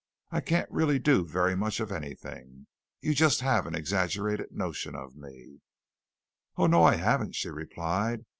I can't really do very much of anything. You just have an exaggerated notion of me." "Oh, no, I haven't," she replied.